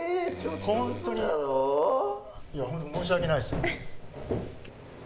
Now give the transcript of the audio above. いや本当申し訳ないです。